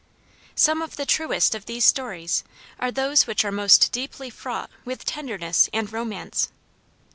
Some of the truest of these stories are those which are most deeply fraught with tenderness and romance.